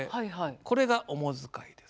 これが主遣いです。